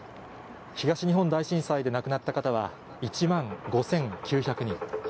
東日本大震災で亡くなった方は１万５９００人。